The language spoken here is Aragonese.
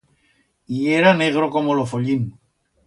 Yera negro como lo follín.